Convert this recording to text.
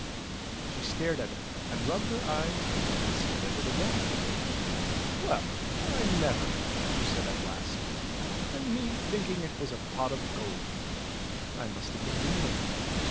She stared at it and rubbed her eyes and stared at it again. 270 ENGLISH FAIRY TALES Well! I never," she said at last. "And me thinking it was a pot of gold ! I must have been dreaming.